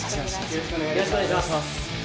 よろしくお願いします。